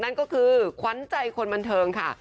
นั่นก็คือขวัญใจคนบันเทิงค่ะ